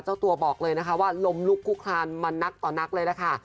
เจ้าตัวบอกเลยนะคะว่าลมลุกคุกคลานมานักต่อนักเลยล่ะค่ะ